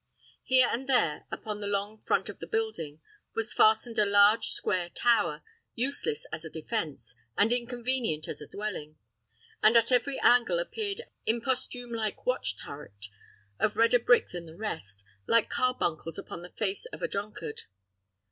Here and there, upon the long front of the building, was fastened a large square tower, useless as a defence, and inconvenient as a dwelling; and at every angle appeared an imposthume like watch turret, of redder brick than the rest, like carbuncles upon the face of a drunkard.